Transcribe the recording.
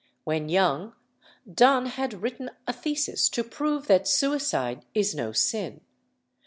When young, Donne had written a thesis to prove that suicide is no sin.